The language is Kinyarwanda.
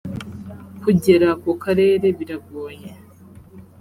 kugera ku karere biragoye